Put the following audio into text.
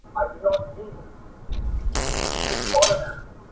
چې د یو مسلمان په حیث ولي